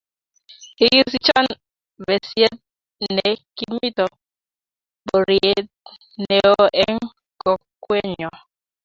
kikisichon besiet ne kimito boriet neoo eng' kokwenyo